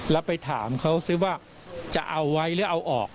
แล้วไปถามเขาซิว่าจะเอาไว้หรือเอาออก